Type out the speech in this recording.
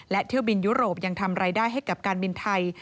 และเที่ยวบินยุโรปยังทำรายได้ให้กับการบินไทย